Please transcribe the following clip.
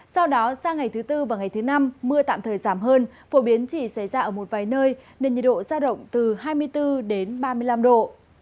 sau đó sang ngày thứ tư và ngày thứ năm mưa tạm thời giảm hơn phổ biến chỉ xảy ra ở một vài nơi nên nhiệt độ giao động từ hai mươi bốn ba mươi năm độ